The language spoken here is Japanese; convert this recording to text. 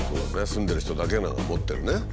住んでる人だけが持ってるね。